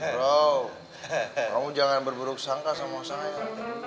bro kamu jangan berberuk sangka sama saya